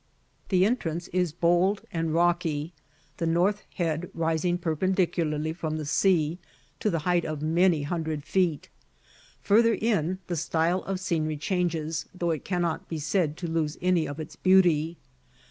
The entrance is bold and rocky, the North Head rising perpendicularly from the sea, to the height of many hundred feet; farther in, the style of scenery changes, though it cannot be said to lose any of its beauty.